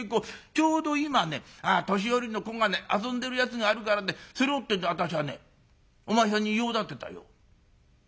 ちょうど今ね年寄りの小金遊んでるやつがあるからねそれを』ってんで私はねお前さんに用立てたよ」。